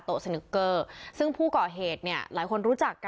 สนุกเกอร์ซึ่งผู้ก่อเหตุเนี่ยหลายคนรู้จักกัน